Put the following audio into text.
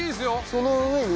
その上に？